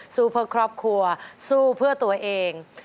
สู้เพื่อครอบครัวสู้เพื่อตัวเอง